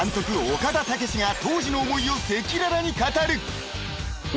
岡田武史が当時の思いを赤裸々に語る］